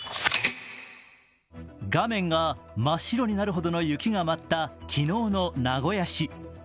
画面が真っ白になるほどの雪が舞った昨日の名古屋市。